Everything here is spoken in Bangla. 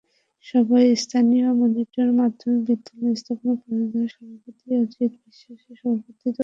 সভায় স্থানীয় মালিয়াট মাধ্যমিক বিদ্যালয়ের ব্যবস্থাপনা পর্ষদের সভাপতি অজিত বিশ্বাস সভাপতিত্ব করেন।